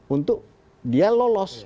untuk dia lolos